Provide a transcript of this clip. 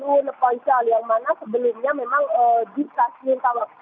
di uleponcel yang mana sebelumnya memang di stasiun tawang